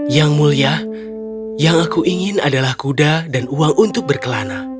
yang mulia yang aku ingin adalah kuda dan uang untuk berkelana